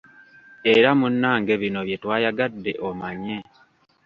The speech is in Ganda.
Era munnange bino bye twayagadde omanye.